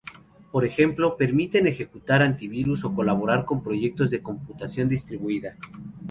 Por ejemplo, permiten ejecutar antivirus o colaborar con proyectos de computación distribuida.